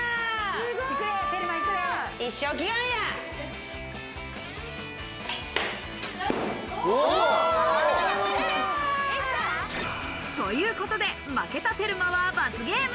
テルマいくよということで、負けたテルマは罰ゲーム。